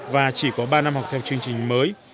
và chỉ có ba năm học theo chương trình mới